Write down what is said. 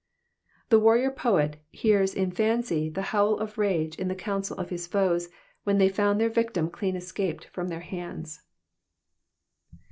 The warrior poet hears in fancy the howl of rage in the council of his foes when they found their victim clean escaped from their hands.